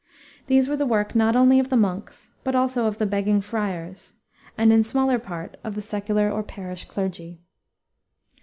These were the work not only of the monks, but also of the begging friars, and in smaller part of the secular or parish clergy.